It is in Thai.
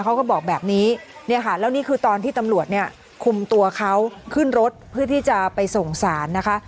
เขาก็บอกแบบนี้เนี่ยค่ะแล้วนี่คือตอนที่ตำรวจเนี่ยคุมตัวเขาขึ้นรถเพื่อที่จะไปส่งสารนะคะ